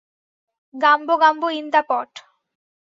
গাম্বো gumbo in the pot.